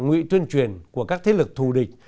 ngụy tuyên truyền của các thế lực thù địch